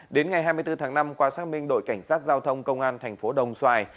đến ngày hai mươi bốn tháng năm qua xác minh đội cảnh sát giao thông công an thành phố đồng xoài